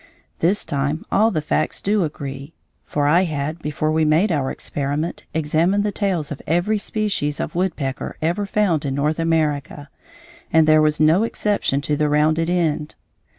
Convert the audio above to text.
This time all the facts do agree; for I had, before we made our experiment, examined the tails of every species of woodpecker ever found in North America, and there was no exception to the rounded end.